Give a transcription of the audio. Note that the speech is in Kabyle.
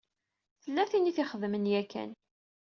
Tella tin i t-ixedmen yakan.